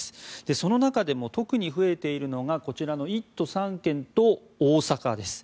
その中でも特に増えているのがこちらの１都３県と大阪です。